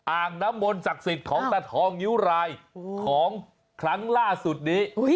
อ่างน้ำมนต์ศักดิ์สิทธิ์ของตาทองนิ้วรายของครั้งล่าสุดนี้